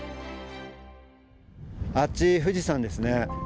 あっち富士山ですね。